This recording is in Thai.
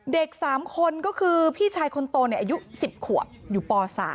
เด็ก๓คนก็คือพี่ชายคนโตอายุ๑๐ขวบอยู่ป๓